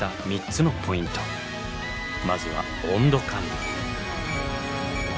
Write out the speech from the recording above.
まずは温度管理。